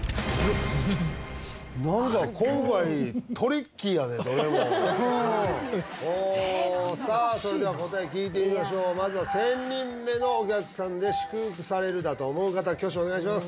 何か今回トリッキーやねどれも難しいなそれでは答え聞いてみましょうまずは１０００人目のお客さんで祝福されるだと思う方挙手お願いします